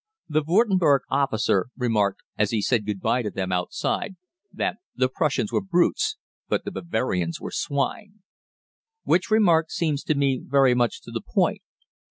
The Würtemberg officer remarked, as he said good bye to them outside, that "the Prussians were brutes, but the Bavarians were swine." Which remark seems to me very much to the point.